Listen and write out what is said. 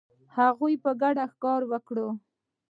هغوی په ګډه ښکار وکړ.